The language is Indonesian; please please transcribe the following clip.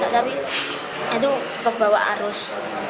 tapi itu kebawa arus